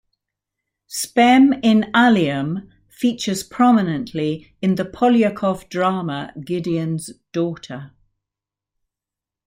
"Spem in alium" features prominently in the Poliakoff drama "Gideon's Daughter".